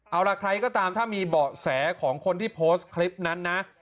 เอาล่ะใครก็ตามถ้ามีเบาะแสของคนที่โพสต์คลิปนั้นนะ